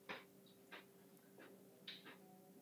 父宁阳侯陈懋。